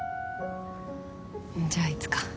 じゃあいつか。